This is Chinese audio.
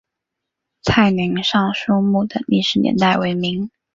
泰宁尚书墓的历史年代为明。